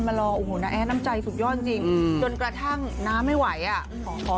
รอโอ้โหน้าแอดน้ำใจสุดยอดจริงจนกระทั่งน้าไม่ไหวอ่ะขอ